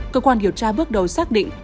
cơ quan điều tra bước đầu xác định